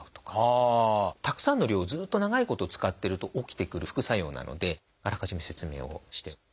たくさんの量をずっと長いこと使ってると起きてくる副作用なのであらかじめ説明をして。